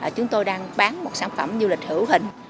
chúng tôi đang bán một sản phẩm du lịch hữu hình